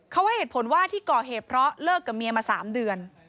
เขาให้เหตุผลว่าที่ก่อเหตุเพราะเลิกกับเมียมา๓เดือน